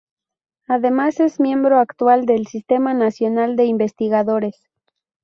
Además, es miembro actual del Sistema Nacional de Investigadores.